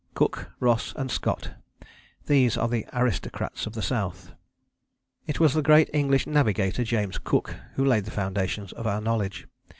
Cook, Ross and Scott: these are the aristocrats of the South. It was the great English navigator James Cook who laid the foundations of our knowledge.